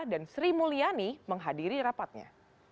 dan sri mulyani menghadiri rapatnya